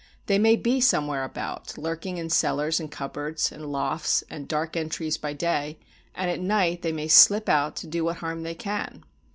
They may be somewhere about, lurking in cellars and cupboards and lofts and dark entries by day, and at night they may slip out to do what harm they can.